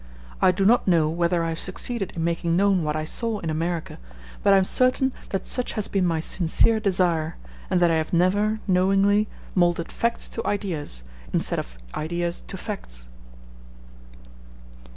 I do not know whether I have succeeded in making known what I saw in America, but I am certain that such has been my sincere desire, and that I have never, knowingly, moulded facts to ideas, instead of ideas to facts.